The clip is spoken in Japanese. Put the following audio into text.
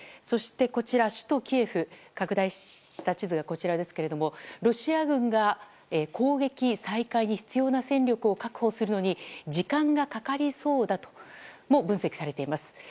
そして、首都キエフ拡大した地図がこちらですがロシア軍が攻撃再開に必要な戦力を確保するまでに時間がかかりそうだとも分析されています。